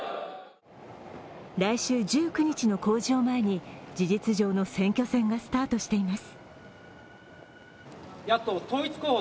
来週１９日の公示を前に事実上の選挙戦がスタートしています。